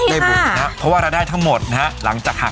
ก๋วยเตี๋ยวบุญและเพียงหน่วยของเราเนี่ยฮะ